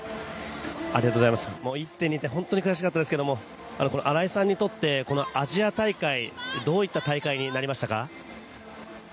１．２０点で本当に悔しかったですが荒井さんにとってこのアジア大会、どういった大会になりましたか？